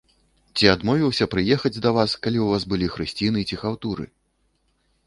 Ці адмовіўся прыехаць да вас, калі ў вас былі хрысціны ці хаўтуры?